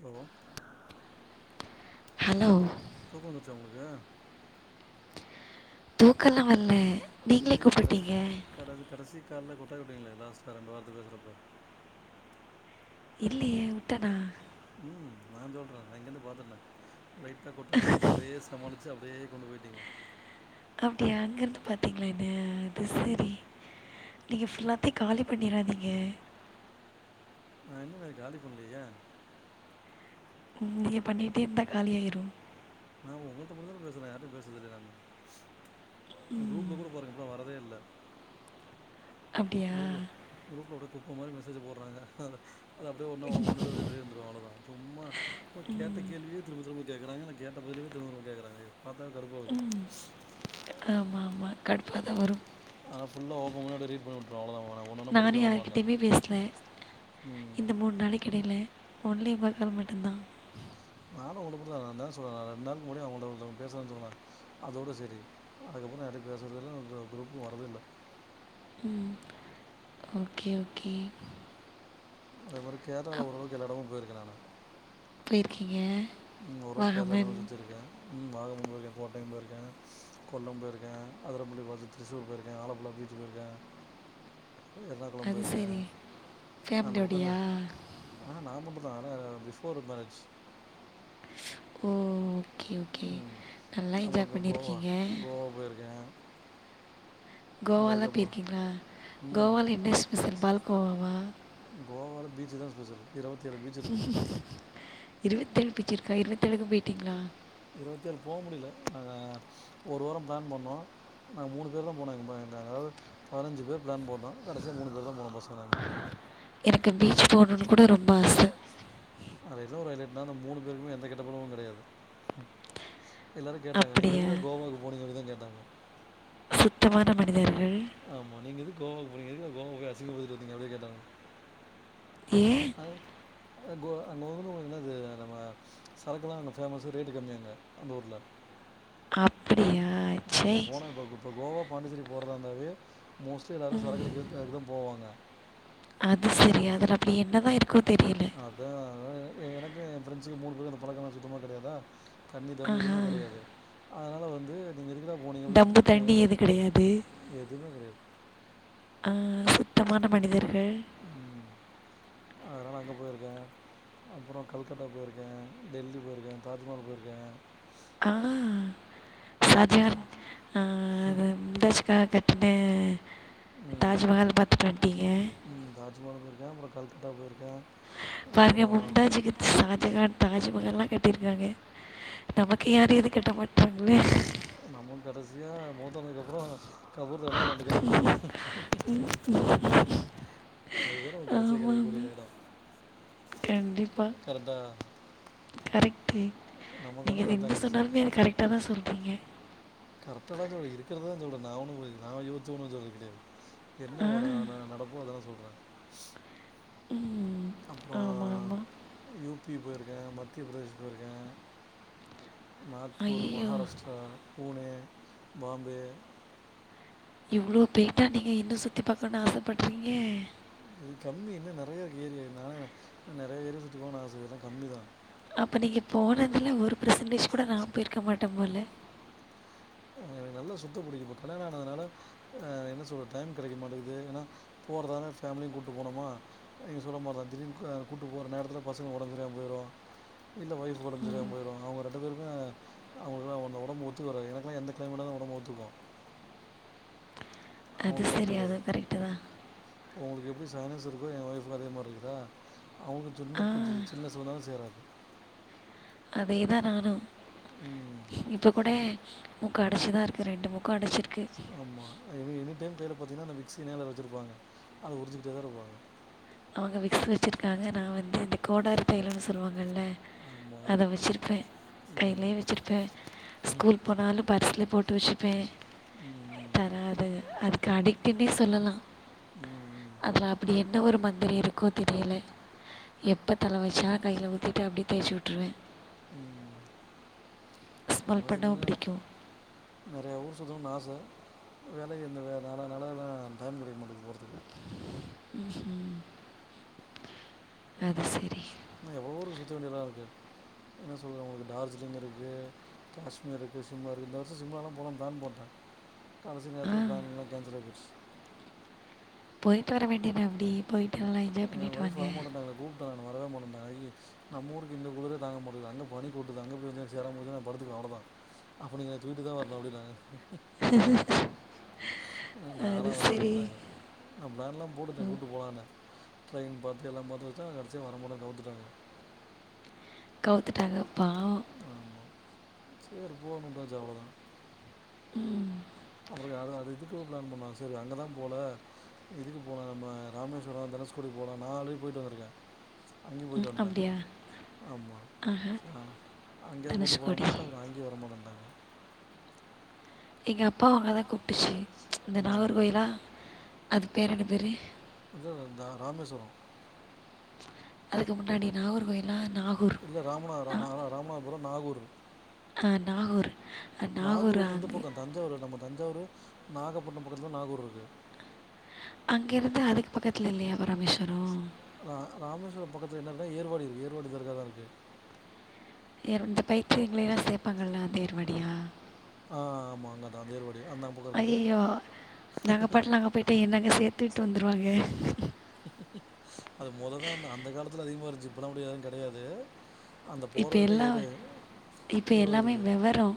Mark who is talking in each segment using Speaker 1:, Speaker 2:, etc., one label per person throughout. Speaker 1: Hello
Speaker 2: hello
Speaker 1: தூக்கோ வந்துருச்சா உங்ளுக்கு
Speaker 2: தூக்கல்லா வர்ல
Speaker 1: இல்லையே கடைசி கடைசி கடைசி கால்ல கொட்டாய்விட்டீங்களே லாஸ்ட்டா ரெண்டு வார்த்த பேசுறப்ப
Speaker 2: இல்லையே உட்டனா
Speaker 1: ம் நா சொல்றே நா இங்கிந்து பாத்தனே லைட்டா கொட்டாவி வஞ்சி அப்டியே சமாளிச் சி அப்டியே கொண்டு போயிட்டீங்க
Speaker 2: அப்டியா அங்கருந்து பாத்தீங்ளா என்ன அது
Speaker 1: ம்
Speaker 2: சரி நீங்க ஃபுல்லாத்தையு காலி பண்ணிராதீங்க
Speaker 1: நா இன்னு அத காலி பண்லையே யே
Speaker 2: ம் நீங்க பண்ணிட்டே இருந்தா காலியாயிரு
Speaker 1: நா உங்கள்ட்ட மட்டுந்தான பேசுறே யார்ட்டையு பேசுறது இல்லையே நானு குரூப்ல கூட பாருங்க இப்பல்லா வரதே இல்ல
Speaker 2: அப்படியா
Speaker 1: குரூப்ல குரூப்ல அப்டியே குப்ப மாரி மெசேஜ்ஜ போட்றாங்க அதா அது அப்டியே [unintelligible] சும்மா கேட்ட கேள்வியே திரும்பத் திரும்ப கேக்குறாங்க எனக்கு கேட்ட பதிலே திரும்ப திரும்ப கேக்கறாங்க எப் பாத்தாவே கடுப்பாகுது
Speaker 2: ஆமா மா கடுப்பா தா வரு
Speaker 1: ஆனா ஃபுல்லா ஒபன் பண்ணி அப்டியே ரீட் [unintelligible] [unintelligible]
Speaker 2: நானு
Speaker 1: மாட்டேன்
Speaker 2: யாருகிட்டயுமே பேசல
Speaker 1: ம்
Speaker 2: இந்த மூண் நாளைக் கிடையில ஒன்லி உங்க கால் மட்டுந்தா
Speaker 1: [unintelligible] அதோடு சரி அதுக்கப்புறோ யார்கிட்டயு பேசறது இல்ல குரூப்புக்கு வர்றது இல்ல
Speaker 2: ம் ஓகே ஓகே
Speaker 1: அதே மாரி கேரளால
Speaker 2: அப்
Speaker 1: ஓரளவுக்கு எல்லா எடமு போயிருக்கே நானு
Speaker 2: போயிருக்கீங்க
Speaker 1: ம் ஒரளவுக் கேரளால எல்லா
Speaker 2: வாகமன்
Speaker 1: எடமு சுத்தியிருக்கே வாகம போயிருக்கே கோட்டயம் போயிருக்கே கொல்லம் போயிருக்கே அதரம்பள்ளி பாத்து திருசூர் போயிருக்கே ஆலப்புழா பீச் போயிருக்கே எர்ணாகுளம்
Speaker 2: அது
Speaker 1: போயிருக்கே
Speaker 2: சரி
Speaker 1: ஆ அந்தப் பக்கோந்த
Speaker 2: ஃபேமிலியோடையா
Speaker 1: ஆ நா மட்டுந் தா பிஃபோர் மேரேஜ்
Speaker 2: ஓ ஓகே ஓகே
Speaker 1: ம்
Speaker 2: நல்லா என்ஜாய் பண்ணிருக்கீங்க
Speaker 1: போ போயிருக்கே
Speaker 2: கோவால்லா போயிருக்கீங்ளா
Speaker 1: ம்
Speaker 2: கோவால என்ன ஸ்பெஷல் பால்கோவா வா
Speaker 1: கோவால பீச் தா ஸ்பெஷலு இருவத்தி ஏழு பீச் இருக்குது
Speaker 2: இருவத்தேழு பிச்சிருக்கா இருபத்தேழுக்கு போயிட்டீங்ளா
Speaker 1: இருவத்தி ஏழு போ முடில நாங்க ஒரு வாரோ பிளான் பண்ணோ நாங்க மூணு பேர் தா போனாங் எங் எங் அதாது பதிநஞ்சு பேர் பிளான் போட்டோ கடைசியா மூணு பேர் தா போனோ பசங்க நாங்க
Speaker 2: எனக்கு பீச் போணும்னு கூட ரொம்ப ஆச
Speaker 1: அதுல என்ன ஒரு ஹைலைட்னா நம்ப மூணு பேருக்குமே எந்த கெட்ட பழக்கமு கெடையாது எல்லாரு கேட்டாங்க நீங்க
Speaker 2: அப்படியா?
Speaker 1: எதுக்குடா கோவாக்கு போனீங்கனு தா கேட்டாங்க
Speaker 2: சுத்தமான மனிதர்கள்
Speaker 1: ஆமா நீங்க எதுக்கு கோவாக்கு போனீங்க எதுக்கு டா கோவாக்கு போயி அசிங்க படுத்திட்டு வந்தீங்க அப்டின்னு கேட்டாங்க
Speaker 2: ஏ
Speaker 1: அது கோ கோவா பத்தி உனக்கு என்ன தெரியு நம்ம சரக்குல்லா அங்க ஃபேமஸ்சு ரேட்டு கம்மி அங்க அந்த ஊர்ல
Speaker 2: அப்
Speaker 1: ஆ அங்கே போன இப்ப இப்ப கோவா பாண்டிச்சேரி போறதா இருந்தாவே மோஸ்ட்லி எல்லாரு
Speaker 2: ம்.
Speaker 1: சரக்கடிக்கறதுக்கு அதுக்கு தா போவாங்க
Speaker 2: அது செரி அதில அப்டி என்ன தா இருக்கோ தெரியல
Speaker 1: அதா அதா எ எனக்கு எயா ஃப்ரெண்ட்ஸ்சுக்கு மூணு பேருக்கு அந்த பழக்கல்லா சுத்தமா கடையாதா தண்ணி தம்மு
Speaker 2: ஆஹா!
Speaker 1: எதுவுமே கடையாது அதனால வந்து நீங்க எதுக்குடா போனிங்க அப்டின்
Speaker 2: டம்பு தண்ணி
Speaker 1: திட்டுவானுங்க
Speaker 2: எதுவும் கிடையாது.
Speaker 1: எதுமே கடையாது
Speaker 2: ஆ சுத்தமான மனிதர்கள்
Speaker 1: ம் அதனால அங்க போயிருக்கே அப்றோ கல்கட்டா போயிருக்க டெல்லி போயிருக்க தாஜ்மஹால் போயிருக்க
Speaker 2: ஆ ஷாஜகான் ஆ அது மும்தாஜ்காக கட்ன
Speaker 1: ம்.
Speaker 2: தாஜ்மஹால் பாத்துட்டு வந்டீங்க
Speaker 1: ம் தாஜ்மகால் போயிருக்கே அப்றோ கல்கட்டா போயிருக்க
Speaker 2: பாருங்க மும்தாஜிக்கு ஷாஜகான் தாஜ்மஹால்லா கட்டிருக்காங்க நமக்கு யாரு எதுவு கட்ட மாட்றாங்ளே
Speaker 1: நம்முக்கு கடைசியா மூத்தவனுக்கு அப்றோ கபுர்தானா ரெண்டு கல்லு எடுத்து வெப்போ
Speaker 2: உ
Speaker 1: அதுதா நமகு கடைசியா கடைக்க கூடிய எடோ
Speaker 2: எம் டி
Speaker 1: கரெக்டா
Speaker 2: கரெக்ட்டு நீங்க
Speaker 1: நமக்கானது
Speaker 2: எது
Speaker 1: அதான்
Speaker 2: என்ன
Speaker 1: கடைசியில.
Speaker 2: சொன்னாலுமே அது கரெக்டா தா சொல்றீங்க
Speaker 1: கரெக்டா தா சொல்ற இருக்கற தா சொல்ற நா ஒன்னு யோசிச்சி ஒன்னு சொல்ல கெடையாது என்ன
Speaker 2: ஆ
Speaker 1: ஒனா நா நடப்போ அத தா சொல்ற
Speaker 2: ம்
Speaker 1: அப்றோ
Speaker 2: ஆமாம் ஆமாம்
Speaker 1: யூ பி போயிருக்க மத்திய பிரதேஷ் போயிருக்க நாக்பூர்
Speaker 2: ஐயோ
Speaker 1: மகாராஷ்டிரா புனே பாம்பே
Speaker 2: இவ்ளோ போயிட்டா நீங்க இன்னு சுத்தி பாக்கனுன்னு ஆசப்பட்றீங்க
Speaker 1: இது கம்மி இன்னு நறையா இருக்கு ஏரியா நா நறையா ஏரியா சுத்தி பாக்கனுன்னு ஆச இதுலா கம்மி தா
Speaker 2: அப்ப நீங்க போனதுல ஒரு பெர்சன்டேஜ் கூட நா போயிருக்க மாட்ட போல
Speaker 1: ஆ எனக்கு நல்லா சுத்த புடிக்கு இப்ப கல்யாணோ அனாதுனால அ என்ன சொல்ற டயம் கெடைக்க மாட்டது ஏனா போறதாருந்த ஃபேமிலியு கூட்டு போனுமா நீங்க சொல்ல மாரிதா திடீனு க கூட்டு போற நேரத்ல பசங்க ஒடம்பு சரியாம போயிரோ இல்ல ஒய்ஃப் ஒடம்பு சரியாம போயிரோ அவுங்க ரெண்டு பேருமே அவுங்களுக்கு லா ஒடம்பு ஒத்து வராது எனக்கு எந்த கிளைமேட் நாலு ஒடம்பு ஒத்துக்கோ
Speaker 2: அது
Speaker 1: அவுங்ளுக்கல்லா
Speaker 2: சரி.
Speaker 1: ஒத்துகாது
Speaker 2: அதுவும் கரெக்ட்டு தான்.
Speaker 1: இப்போ ஒங்களுக்கு எப்டி சைனஸ் இருக்கோ என் ஒய்ஃபுக் அதே மாரி இருக்குதா அவுங்க
Speaker 2: ஆ
Speaker 1: சின்ன கொஞ்ச சில்னஸ் வந்தாலு சேராது
Speaker 2: அதே தா நானு
Speaker 1: ம்
Speaker 2: இப்போ கூட மூக்கு அடச்சிதா இருக்கு ரெண்டு மூக்கு அடச்சிருக்கு
Speaker 1: ஆமா எனி எனி டைம் கைல பாத்தீங்கன்னா அத விக்சி கைல வச்ருப்பாங்க அத உரிஞ்சுக்கிட்டே தாருப்பாங்க
Speaker 2: அவங்க விக்ஸ் வச்சிருக்காங்க நா வந்து இந்த கோடாரி தைலன்னு சொல்லுவாங்கல்ல
Speaker 1: ஆமாம்
Speaker 2: அத வச்சிருப்ப
Speaker 1: ம்
Speaker 2: கைலயே வச்சிருப்ப ஸ்கூல் போனாலு பர்ஸ்ல போட்டு வச்சிப்பே
Speaker 1: ம்,
Speaker 2: தராது அதுக்கு அடிட்னே சொல்லலா
Speaker 1: ம்,
Speaker 2: அதுல அப்டி என்ன ஒரு மந்த வேற இருக்கோ தெரியல எப்போ தல வலிச்சா கையில ஊத்திட் அப்டியே தேச்சு விட்ருவ
Speaker 1: ம் அவ
Speaker 2: ஸ்மெல் பண்ணவும்
Speaker 1: என்னா
Speaker 2: பிடிக்கும்
Speaker 1: நறய ஊர் சுத்தனு ஆச வேல என் வேல னாலா டயம் கெடக்கமாட்டது போறத்க்கு
Speaker 2: [unintelligible] அது செரி
Speaker 1: இன்னு எவ்ளோருக்கு சுத்த வேண்டியல்லா இருக்து என்ன சொல்றது ஒங்களுக்கு டார்ஜிலிங் இருக்கு காஷ்மீரு இருக் சிம்லா இருக் இந்த வருஷோ சிம்லாலா போலா பிளான் போட்ட கடசி
Speaker 2: ஆ
Speaker 1: நேரத்துல பிளான் லா கேன்சல் ஆயி போச்சி
Speaker 2: போய்ட் வர வேண்டியதா அப்டி போய்
Speaker 1: என் ஒய்ஃப் வர மாட்டண்டாங்ளே கூப்ட்ட நா வரவே மாட்டண்ட்டாங்க ஹைஹில்ஸ் நம்ம ஊருக்கு இந்த குளுரே தாங்க முடில அங்க பனி கொட்டுது அங்க போய் சேரம போச்சுனா படுத்துக்குவே அவ்ளதா அப்ப நீங்க என்ன தூக்கிட்டு தா வரணு அப்டினாங்க
Speaker 2: [unintelligible]
Speaker 1: நாளா
Speaker 2: அது
Speaker 1: வரல
Speaker 2: சரி
Speaker 1: அப்டின்டாங்க நா ப்ளான்லா போட்ருந்தே
Speaker 2: ம்
Speaker 1: கூட்டு போலானு ட்ரெயின் பாத்து எல்லா பாத்து வச்சா கடசிலே வர மாட்டேன் கவுத்துட்டாங்க
Speaker 2: கவுத்துட்டாங்க பாவோ
Speaker 1: ஆமா சேர் போனுவுட்டாச்சு அவ்ளோதா
Speaker 2: ம்
Speaker 1: அப்றோ அது அது இதுக்கு பிளான் பண்ணுவாங் சரி அங்கதா போல இதுக்கு போலா நம்ம ராமேஸ்வரம் தனுஸ்கோடி போலா நான் ஆல்ரெடி போய்ட்டு வந்திருக்கே
Speaker 2: ம் அப்டியா
Speaker 1: ஆமா அங்கேயாது கூட்டு போலானு
Speaker 2: தனுஷ்கோடி
Speaker 1: பாத்தா அப்றோ அங்கயு வர மாட்டேட்டாங்க
Speaker 2: எங்கள் அப்பாவு அங்க தா கூப்ட்டுச்சு இந்த
Speaker 1: ம்
Speaker 2: நாகர்
Speaker 1: ம்.
Speaker 2: கோயில அது பேர் என்ன பேரு
Speaker 1: கொஞ்ச தூர வந்தா ராமேஸ்வரம்
Speaker 2: அதுக்கு முன்னாடி நாகூர் கோயிலா நாகூர்
Speaker 1: இல்ல ராமநதபுரா ராமநாதபுரோ நாகூர்
Speaker 2: அ நாகூர் நாகூர் அங்கே
Speaker 1: தஞ்சாவூரு நம்ம தஞ்சாவூரு நாகப்பட்ன பக்கத்லதா நாகூர் இருக்கு
Speaker 2: அங்க இருந்து அதுக்கு பக்கத்ல இல்லயா ராமேஸ்வரம்
Speaker 1: ரா ராமேஸ்வர பக்கத்துல என்னருக்னா ஏர்வாடி இருக்கு ஏர்வாடி தர்க்காதா இருக்கு
Speaker 2: ஏர் இந்த பைத்தியங்கலையெல்லா சேப்பாங்கல அந்த ஏர்வாடியா
Speaker 1: ஆ ஆமா அங்கதா அந்த ஏர்வாடி அந்த பக்கம் இருக்குது
Speaker 2: ஐயையோ நாங்க பாட்ல அங்க போய்டா என்ன அங்க சேர்த்து விட்டு வந்துருவாங்க
Speaker 1: அது முததா அந்த அந்த காலத்துல அதிகமா இருச்சு இப்பல்லா அப்டி யாரு கிடையாது அந்த போர
Speaker 2: இப்ப
Speaker 1: வழில
Speaker 2: எல்லாம்
Speaker 1: ஏறு
Speaker 2: இப்ப
Speaker 1: ஏர்வடி
Speaker 2: எல்லாமே
Speaker 1: இருக்கு
Speaker 2: விவரம்.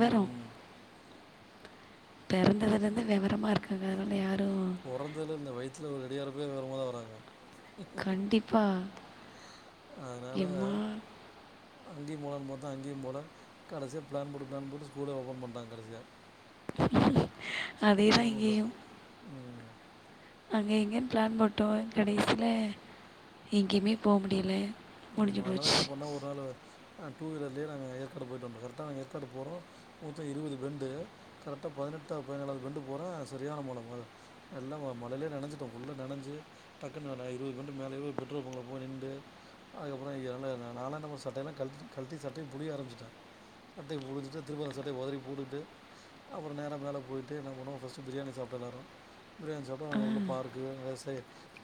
Speaker 1: ம் ம்
Speaker 2: பிறந்ததுல இருந்து விவரமா இருக்காக அதுனால யாரு
Speaker 1: போறந்ததுலருந்து வயித்ல ரெடி ஆகுறப்பே வேறமார்தா வராங்க
Speaker 2: கண்டிப்பா
Speaker 1: அதனால
Speaker 2: எம்மா!
Speaker 1: அங்கயு போலனு பாத்த அங்கயு போல கடைசிய பிளான் போட்டு பிளான் போட்டு ஸ்கூலே ஓபன் பண்டாங்க கடசியா
Speaker 2: அதேதா இங்கேயு
Speaker 1: போகணுன்றது ம்
Speaker 2: அங்க இங்கேன்னு பிளான் போட்டோ கடைசில எங்கேயுமே போ முடியல முடிஞ்சு
Speaker 1: மறுநாள்
Speaker 2: போச்சு.
Speaker 1: என்ன பண்ணோ ஒரு நாள் டூவிலர்லயே நாங்க ஏர்காடு போயிட்டு வண்டோ கரெக்ட நாங்க ஏற்காடு போறோ மொத்தோ இருவது பெண்டு கரெக்டா பதினெட்டா பதினேழாவது பெண்டு போறே சரியான மூலமது எல்லா மொதல்லே நனஞ்சுட்டோ புள்ள நனஞ்சு டக்குனு நா இருவது பெண்டு மேல போயி பெட்ரோல் பங்க்ல போய் நிண்டு அதுக்கப்றோ ஏன்ங்க நான என்ன பண்ண ஒரு சட்டயேல்லா கழட்டி சட்டய பிலிய ஆரம்பச்சுட்டே சட்டய புழுச்சுட்டு திரும்ப அந்த சட்டய உதரி போட்டுகிட்டு அப்றோ நேர மேல போய்ட்டு என்ன பண்ணோ பஸ்டு பிரியாணி சாப்டோ எல்லாரு பிரியாணி சாப் அங்க உள்ள பார்க்கு விவசாயோ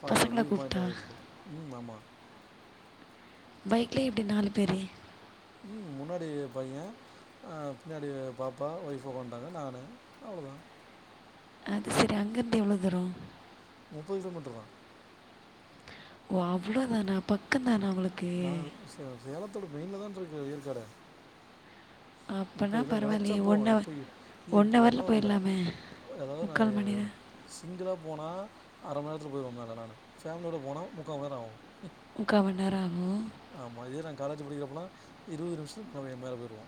Speaker 2: பசங்கள
Speaker 1: வியூ பாய்ண்ட்லா
Speaker 2: கூப்பிட்டா.
Speaker 1: இருக்கு ஆமா
Speaker 2: பைக்லே எப்டி நாலு பேரு
Speaker 1: ம் முன்னாடி பைய பின்னாடி பாப்பா வைஃப் உக்காந்துட்டாங்க நானு அவ்ளோதா
Speaker 2: அது செரி அங்கருந்து எவ்வளோ தூரோ
Speaker 1: முப்பது கிலோமீட்டர் தா
Speaker 2: ஓ அவ்ளோதான பக்க தானா உங்களுக்கு
Speaker 1: நான் சேலத்தோட மெய்லதான்ருக்கு ஏற்காடே
Speaker 2: அப்பன்னா
Speaker 1: முப்பது கிலோ நெனச்சா
Speaker 2: பரவாயில்லையே
Speaker 1: போவோ
Speaker 2: ஒன் ஹவர்
Speaker 1: இப்ப இல்ல
Speaker 2: ஒன்
Speaker 1: இப்ப
Speaker 2: ஹவரில்
Speaker 1: ஒன்வர் இல்ல
Speaker 2: போயிடலாமே
Speaker 1: அதாவது நா
Speaker 2: முக்கால் மணி நேரம்
Speaker 1: சிங்ளா போனா அரமண் நேரத்தில போய்ருவே மேலே நானு ஃபேமிலியோடு போன முக்காமண் நேர ஆகு
Speaker 2: முக்காமண் நேரோ ஆகு
Speaker 1: ஆமா இதே நாங்க காலேஜ் படிக்கிறப்பன இருபது நிமிஷத்து நாங்க மேல போயிருவோ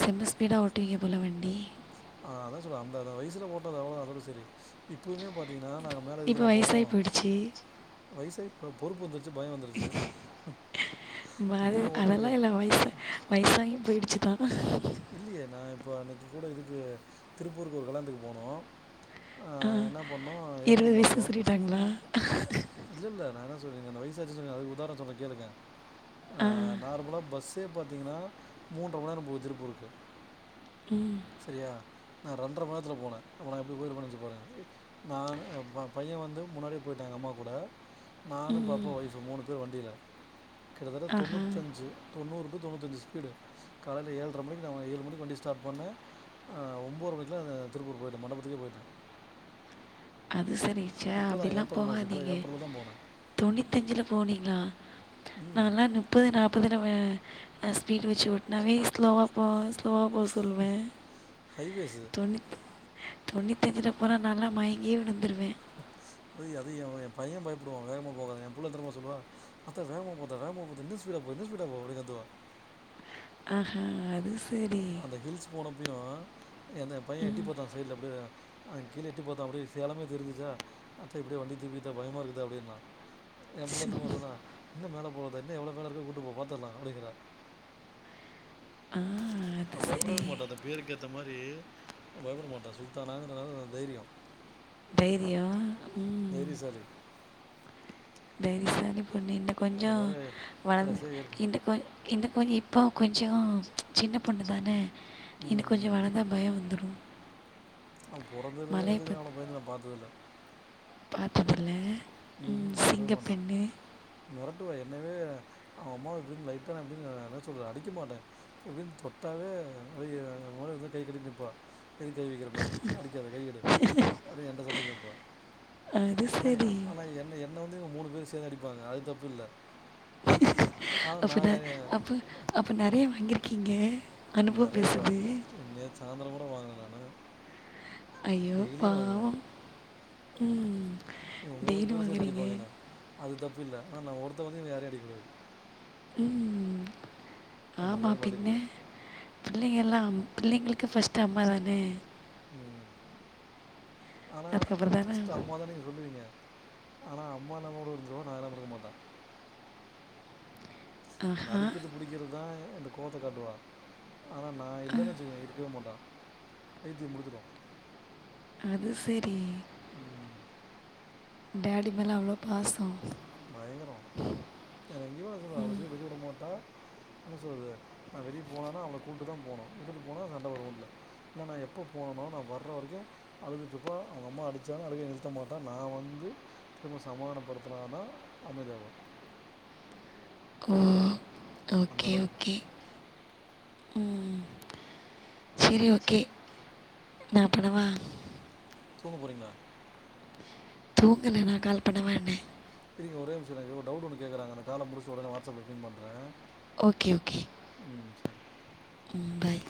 Speaker 2: செம ஸ்பீடா ஓட்டுவீங்க போல வண்டி
Speaker 1: அதா சொல்ல அந்த வயசுல ஓட்டுனது அவ்ளோதா அதோட சரி இப்பவுமே பாத்தீங்க நாங் மேலே எதுக்கு
Speaker 2: இப்போ
Speaker 1: தெரியுமா போவோ
Speaker 2: வயசாகி போயிடுச்சு
Speaker 1: வயசய் இ பொறுப்பு வந்துருச்சு பயோ வந்துருச்சு இப்பயு ஓட்டுருக்கு
Speaker 2: வயசு வயசாகி போயிடுச்சு தானா
Speaker 1: இல்லையே நா இப்போ அன்னைக்கி கூட இதுக்கு திருப்பூருக்கு ஒரு கல்லா னத்துக்கு போனோ
Speaker 2: ஆ இருபது வயசு சொல்லிட்டாங்களா
Speaker 1: இல்ல இல்ல ந என்ன சொல்றீங்க அந்த வயசாச்சு சொன்ன அது உதாரணோ சொல்ரே கேளுங்க
Speaker 2: ஆ
Speaker 1: நார்மலா பஸ் சே பாத்தீங்கன்னா மூன்றரை மணி நேரோ போது திருப்பூருக்கு
Speaker 2: ம்
Speaker 1: சரியா நா ரெண்டரை மணி நேரத்துல போனேஅப்ப நா எப்படி போயிருப்பேனு நெனச்சு பாருங்க நானு என் பையன் வந்து முன்னாடியே போயிட்டா எங்க அம்மா கூட நானு பாப்பா
Speaker 2: ம்
Speaker 1: ஒய்ஃப் மூணு பேர் வண்டியில் கிட்டத்தட்ட
Speaker 2: ஆஹா
Speaker 1: தொண்ணூத்தஞ்சு தொண்ணூறு டு தொண்ணூத்தஞ்சு ஸ்பீடு காலையில் ஏழரை மணிக்கு நா ஏழு மணி வண்டி ஸ்டார் பண்ணே ன் ஆ ஒன்பது மணிக்குலா திருப்பூர் போயிட்டே மண்டபத்துக்கே போயிட்டே
Speaker 2: அது சரி சே அப்டிலா போகா தீங்க
Speaker 1: ஏப்ரலில் தான் போனேன்
Speaker 2: தொண்ணித்தஞ்சுல போனீங்களா நாங்கல்லா நுப் முப்பது நாப்பதுல வே அ ஸ்பீட் வச்சு ஓட்டுனாவே ஸ்லோவா போ ஸ்லோவா போ சொல்லுவே
Speaker 1: ஹைவேஸு
Speaker 2: தொண்ணித் தொண்ணிதஞ்சில போன நாலா மயங் ங்கியே விழுந்துருவே
Speaker 1: ஒய் அது எ எ பைய பயப்படுவா வேகமா போகாதீங்கனு எ புள்ள என்ன தெரிமா சொல்லுவா அத்தா வேகமா போத்தா வேகமாபோத்தா இன்னு ஸ்பீடா போ இன்னு ஸ்பீடா போ அப்டி கத்துவா
Speaker 2: ஆஹா அது ச
Speaker 1: அந்த ஹில்ஸ் போனப்பயு எந்த பைய எட்டி
Speaker 2: ம்
Speaker 1: பாத்தா சைட்ல அப்டிய அவெ கீழ எட்டி பாத்தா அப்டி சேலமே தெரிஞ்சிச்சா அத்தா இப்டியே வண்டி திருப்பித்தா பயமா இருக்குத்தா அப்டீன்னா எம் புள்ள என்ன
Speaker 2: சு.
Speaker 1: தெரிமா சொன்னா இன்னு மேல போலாத்தா இன்னு எவ்ளோ மேல இருக்கோ கூட்டு போ பாத்துடலா அப்டிங்கறா
Speaker 2: ஆ அது
Speaker 1: அவ
Speaker 2: சரி
Speaker 1: பயப்படவே மாட்டா அந்த பேருக்கு ஏத்த மாரி பயப்பட மாட்டா சுல்தானாங்கனா தைரியோ
Speaker 2: தைரியோ ம்
Speaker 1: தைரியசாலி
Speaker 2: தைரியசாலி பொண்ணு இன்னு கொஞ்சொ
Speaker 1: அது மாதிரி
Speaker 2: வளந்து
Speaker 1: கடைசியாக இருக்கும்
Speaker 2: இன்னு கொஞ் இன்னு கொஞ் இப் போ கொஞ்சோ சின்ன பொண்ணு தானே
Speaker 1: ம்
Speaker 2: இன்னு கொஞ்சொ
Speaker 1: ம்.
Speaker 2: வளர்ந்தா பயோ வந்துடு
Speaker 1: அவ பொறந்ததிலிருந்தே எனக்குத் தெரிஞ்சு நா அவ்ளோ பயந்து நா பாத்ததில்ல
Speaker 2: பாத்ததில்ல ம் சிங்க பெண்ணு
Speaker 1: மெரட்டுவா என்னவே அவ அம்மாவ இப்டின்னு லைட்டா நா இப்டின்னு என்ன சொல்றது அடிக்க மாட்டே இப்டின் தொட்டாவே அய எ முன்னாடி வந்து கை கட்டி நிப்பா எதுக் கை வைக்கிற மேல அடிக்காத கை எடு அப்டி எங்கிட்ட சண்டைக்கு நிப்பா
Speaker 2: அது
Speaker 1: ஆனா
Speaker 2: சரி
Speaker 1: ஆனா என்ன என்ன வந்து இவங் மூணு பேர் சேந்து அடிப்பாங்க அது தப்புல்ல ஆனா நா யார்யு
Speaker 2: அப்ப நெறைய வாங்கிருக்கீங்க
Speaker 1: நெறையவா நேத்து சாய்ந்தரங் கூட வாங்குனே நானு
Speaker 2: ஐயோ பாவோ ம்
Speaker 1: இவங் மூணு
Speaker 2: டெய்லி
Speaker 1: பேரு சேந்து
Speaker 2: வாங்குறீங்க
Speaker 1: அடிப்பாங்க என்ன அது தப்பு இல்ல ஆ நா ஒருத்த வந்து இவங்க யாரையு அடிக்கூடாது
Speaker 2: ம்
Speaker 1: அந்த
Speaker 2: ஆமா
Speaker 1: மாதிரி
Speaker 2: பின்ன
Speaker 1: மாட்டிருக்கிறேன்
Speaker 2: பிள்ளைங்கெல்லா பிள்ளைங்களுக்கு ஃபஸ்ட்டு அம்மா தானே
Speaker 1: ம் ஆனா
Speaker 2: அதுக்கப்புறம் தானே
Speaker 1: ஃபஸ்ட்டு அம்மாதான் நீங்க சொல்லுவீங்க ஆனா அம்மா இல்லாம கூட இருந்துருவா நா இல்லாம இருக்க மாட்டா அந்த
Speaker 2: ஆஹா
Speaker 1: அடிக்கிறது புடிக்கிறதா எங்கிட்ட கோவத்த காட்டுவா ஆனா நா இல்லன்னு வெச்சுக்கோங்க இருக்கவே மாட்டா பைத்தியம் புடிச்சுடு
Speaker 2: அது செரி
Speaker 1: ம்,
Speaker 2: டேடி மேல அவ்ளோ பாசோ
Speaker 1: பயங்கரோ வேற எங்கேயு நா சொல்றொ அவ்ளோ சீக்கிரோ வெளிய வுட மாட்டா என்ன சொல்றது நா வெளிய போனேனா அவள கூட்டுதா போணு வுட்டுட்டு போனா சண்ட வரு வூட்ல இல்ல நா எப்போ போனனோ நா வர்ற வரைக்கு அழுதுட்டுருப்பா அவுங்க அம்மா அடிச்சாலு அழுக நிறுத்த மாட்டா நா வந்து திரும்ப சமாதானோ படுத்துனாதா அமைதியாவா
Speaker 2: ஓ
Speaker 1: அந்த
Speaker 2: ஓகே
Speaker 1: அளவுக்கு
Speaker 2: ஓகே சேரி ஓகே நா பண்ணவா
Speaker 1: தூங்க போறீங்ளா
Speaker 2: தூங்கல நா கால் பண்ணவானே
Speaker 1: செரிங்க ஒரே நிம்ஷோ இருங்க ஒரு டவுட் ஒன்னு கேகறாங்கா நா கால முடிச்ட்டு ஒடனே வாட்ஸ் அப்ல பிங் பண்றே
Speaker 2: ஓகே ஓகே
Speaker 1: ம் சேரி
Speaker 2: ம் பாய்